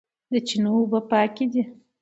د چینو اوبه پاکې دي